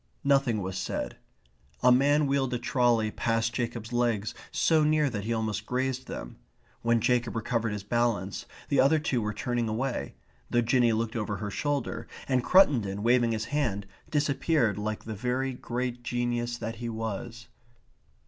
Nothing was said. A man wheeled a trolley past Jacob's legs so near that he almost grazed them. When Jacob recovered his balance the other two were turning away, though Jinny looked over her shoulder, and Cruttendon, waving his hand, disappeared like the very great genius that he was.